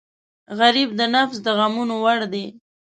غریب د نفس د غمونو وړ دی